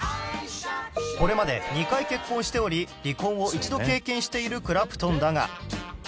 これまで２回結婚しており離婚を一度経験しているクラプトンだが